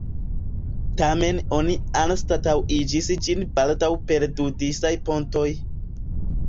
Tamen oni anstataŭigis ĝin baldaŭ per du disaj pontoj.